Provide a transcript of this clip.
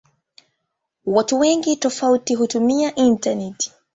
Watu wengi tofauti hutumia intaneti.